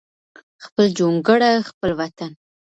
خپل جونګړه خپل وطن